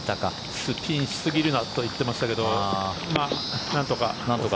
スピンしすぎるなと言っていましたけどなんとか。